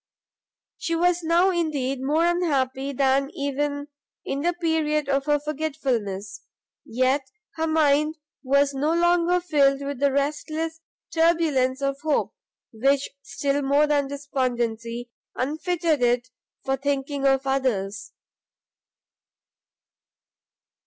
She was now indeed more unhappy than even in the period of her forgetfulness, yet her mind, was no longer filled with the restless turbulence of hope, which still more than despondency unfitted it for thinking of others.